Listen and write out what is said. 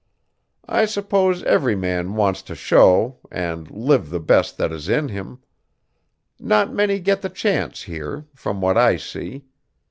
I suppose every man wants to show, and live the best that is in him; not many get the chance here, from what I see.